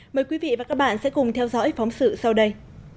mời quý vị và các bạn sẽ cùng theo dõi phóng sự sau đây